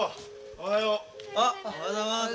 おはようございます。